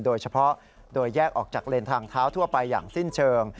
โดยเฉพาะโดยแยกออกจากเลนทางเท้าทั่วไปอย่างสิ้นเชิง